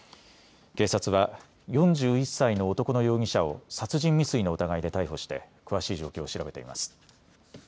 警察は４１歳の男の容疑者を殺人未遂の疑いで逮捕して詳しい状況を調べています。